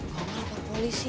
kok gak lapor polisi